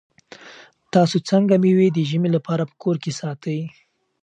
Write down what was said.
تاسو څنګه مېوې د ژمي لپاره په کور کې ساتئ؟